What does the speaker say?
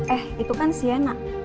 eh itu kan siena